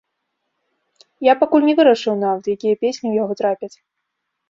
Я пакуль не вырашыў нават, якія песні ў яго трапяць.